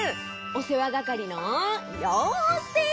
おせわがかりのようせい！